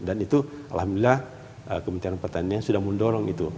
dan itu alhamdulillah kementerian pertanian sudah mendorong itu